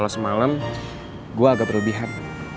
semalam gue agak berlebihan